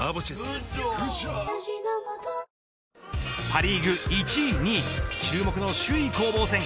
パ・リーグ１位、２位注目の首位攻防戦。